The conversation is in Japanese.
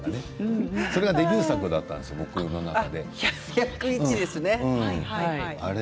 それがデビュー作だったんですよ１０１ですね。